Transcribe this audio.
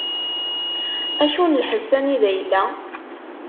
Acu n lḥebs anida yella?